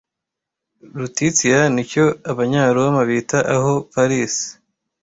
Lutitia nicyo Abanyaroma bita aho Paris